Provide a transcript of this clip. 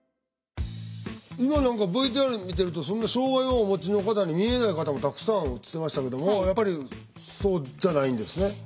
今何かＶＴＲ見てるとそんな障害をおもちの方に見えない方もたくさん映ってましたけどもやっぱりそうじゃないんですね？